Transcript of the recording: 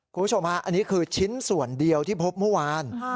คุณผู้ชมฮะอันนี้คือชิ้นส่วนเดียวที่พบเมื่อวาน